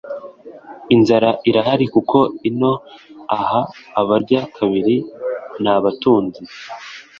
Inzara irahari kuko ino aha abarya kabiri ni abatunzi